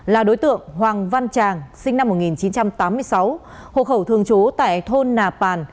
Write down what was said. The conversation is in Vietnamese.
là đối tượng hoàng văn tràng sinh năm một nghìn chín trăm tám mươi sáu hộ khẩu thường trú tại thôn nà pàn